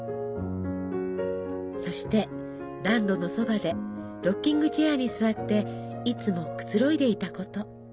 そして暖炉のそばでロッキングチェアに座っていつもくつろいでいたこと。